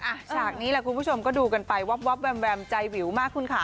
ฉากนี้แหละคุณผู้ชมก็ดูกันไปวับแวมใจวิวมากคุณค่ะ